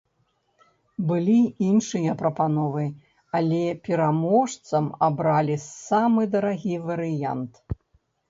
Былі іншыя прапановы, але пераможцам абралі самы дарагі варыянт.